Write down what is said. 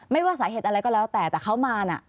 ว่าสาเหตุอะไรก็แล้วแต่แต่เขามาน่ะ